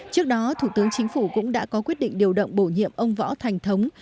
trước đó thủ tướng chính phủ cũng đã có quyết định điều động bổ nhiệm ông võ thành thống